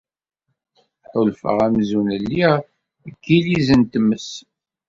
Ḥulfaɣ amzun lliɣ deg yilliz n tmes.